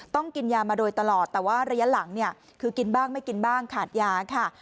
ต้องกินยามาโดยตลอดแต่ว่าระยะหลังเนี่ยคือกินบ้างไม่กินบ้างขาดยาค่ะ